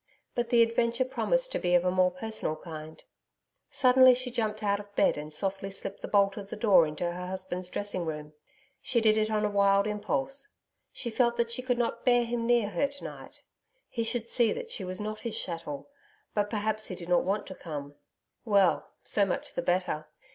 But the adventure promised to be of a more personal kind. Suddenly, she jumped out of bed and softly slipped the bolt of the door into her husband's dressing room. She did it on a wild impulse. She felt that she could not bear him near her to night. He should see that she was not his chattel.... But, perhaps, he did not want to come.... Well, so much the better.